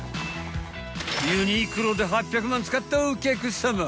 ユニクロで８００万円使ったお客様。